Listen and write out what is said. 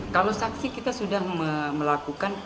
kalau saksi kita sudah melakukan